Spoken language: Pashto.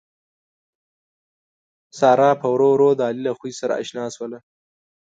ساره پّ ورو ورو د علي له خوي سره اشنا شوله